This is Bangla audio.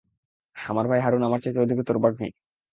আমার ভাই হারুন আমার চাইতে অধিকতর বাগ্মী।